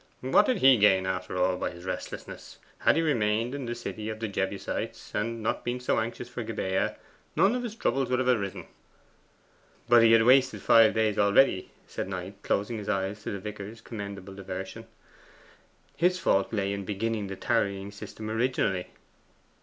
'What did he gain after all by his restlessness? Had he remained in the city of the Jebusites, and not been so anxious for Gibeah, none of his troubles would have arisen.' 'But he had wasted five days already,' said Knight, closing his eyes to the vicar's commendable diversion. 'His fault lay in beginning the tarrying system originally.